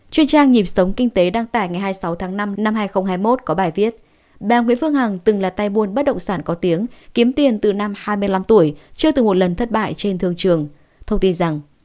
chuyên trang nhịp sống kinh tế đăng tải ngày hai mươi sáu tháng năm năm hai nghìn hai mươi một có bài viết bà nguyễn phương hằng từng là tay buôn bất động sản có tiếng kiếm tiền từ năm hai mươi năm tuổi chưa từng một lần thất bại trên thương trường thông tin rằng